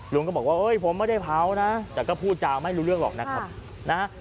ลุงก็บอกว่าเอ้ยผมไม่ได้เผานะแต่ก็พูดจาไม่รู้เรื่องหรอกนะครับนะฮะ